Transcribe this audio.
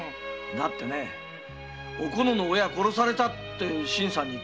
だっておこのの親は殺されたって新さんに言ったんでしょ。